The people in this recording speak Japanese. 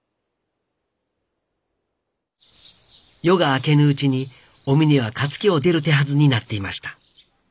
夜が明けぬうちにお峰は勝家を出る手はずになっていました。